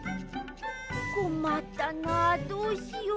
こまったなどうしよう。